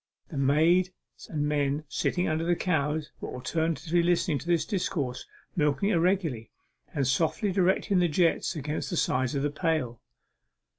The maids and men sitting under the cows were all attentively listening to this discourse, milking irregularly, and softly directing the jets against the sides of the pail.